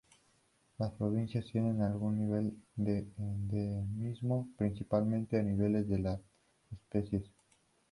Las provincias tienen algún nivel de endemismo, principalmente a nivel de las especies.